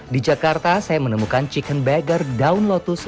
di jakarta saya menemukan chicken bagger daun lotus